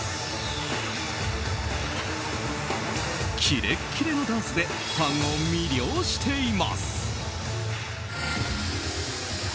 キレッキレのダンスでファンを魅了しています。